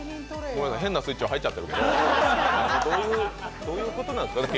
変なスイッチは入っちゃってるけどどういうことなんですか？